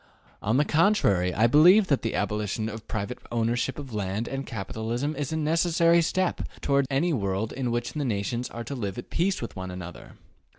On the contrary, I believe that the abolition of private ownership of land and capital is a necessary step toward any world in which the nations are to live at peace with one another.